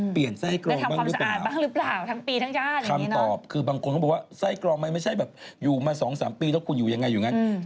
เปลี่ยนไส้กรองบ้างหรือเปล่าคำตอบคือบางคนต้องบอกว่าไส้กรองมันไม่ใช่อยู่มา๒๓ปีแล้วคุณอยู่อย่างไรอยู่อย่างนั้น